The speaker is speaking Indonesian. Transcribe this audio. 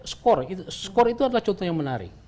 skor skor itu adalah contoh yang menarik